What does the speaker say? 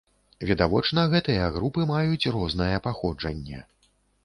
Відавочна, гэтыя групы маюць рознае паходжанне.